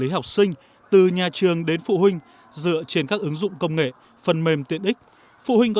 học sinh từ nhà trường đến phụ huynh dựa trên các ứng dụng công nghệ phần mềm tiện ích phụ huynh có